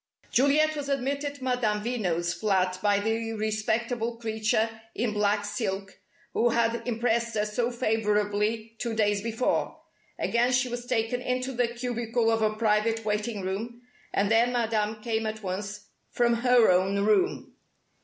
Juliet was admitted to Madame Veno's flat by the respectable creature in black silk who had impressed her so favourably two days before. Again she was taken into the cubicle of a private waiting room, and there Madame came at once, from her own room.